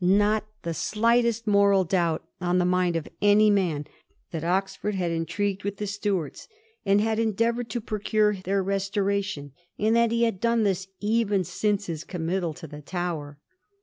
ch. i. not be the slightest moral doubt on the mind of any man that Oxford had intrigued with the Stuarts, and had endeavoured to procure their restoration, and that he had done this even since his committal to the Tower.